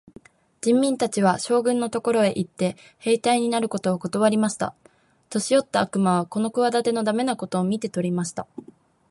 人民たちは、将軍のところへ行って、兵隊になることをことわりました。年よった悪魔はこの企ての駄目なことを見て取りました。